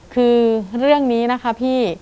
คือเรื่องนี้นะคะพี่